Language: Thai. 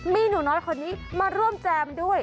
มีหนูน้อยคนนี้มาร่วมแจมด้วย